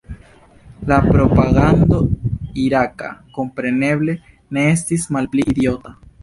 La propagando iraka, kompreneble, ne estis malpli idiota.